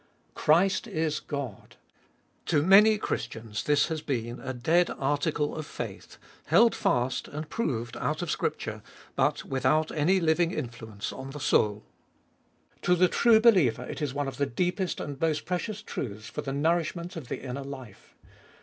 Christ is God: to many Christians this has been a dead article of faith, held fast and proved out of Scripture, but with out any living influence on the soul. To the true believer it is one of the deepest and most precious truths for the nourish ment of the inner life.